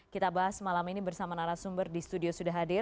kita bahas malam ini bersama narasumber di studio sudah hadir